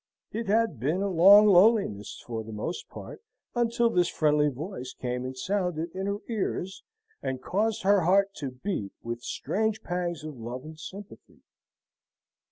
It had been a long loneliness, for the most part, until this friendly voice came and sounded in her ears and caused her heart to beat with strange pangs of love and sympathy.